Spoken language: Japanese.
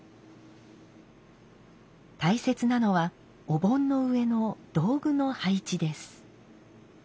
大切なのはお盆の上の道具の配置です。